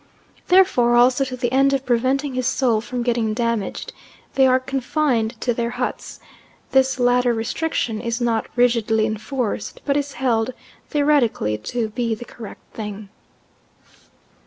Therefore, also to the end of preventing his soul from getting damaged, they are confined to their huts; this latter restriction is not rigidly enforced, but it is held theoretically to be the correct thing.